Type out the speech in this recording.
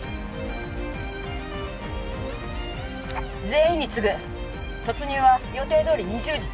全員に告ぐ突入は予定どおり２０時